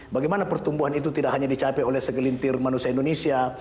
bagaimana pertumbuhan itu tidak hanya dicapai oleh segelintir manusia indonesia